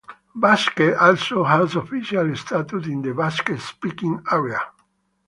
Basque also has official status in the Basque-speaking area.